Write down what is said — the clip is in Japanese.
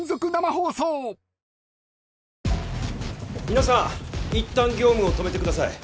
皆さんいったん業務を止めてください。